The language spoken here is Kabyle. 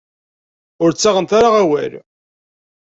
Ur ttaɣent ara awal.